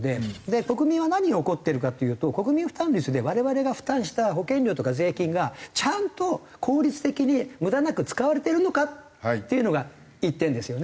国民は何を怒ってるかっていうと国民負担率で我々が負担した保険料とか税金がちゃんと効率的に無駄なく使われてるのか？っていうのが一点ですよね。